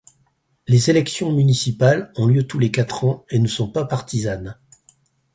Les élections municipales ont lieu tous les quatre ans et ne sont pas partisanes.